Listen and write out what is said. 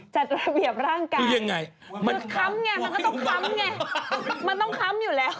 จัดระเบียบร่างกายยังไงมันค้ำไงมันก็ต้องค้ำไงมันต้องค้ำอยู่แล้ว